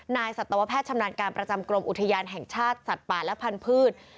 สัตวแพทย์ชำนาญการประจำกรมอุทยานแห่งชาติสัตว์ป่าและพันธุ์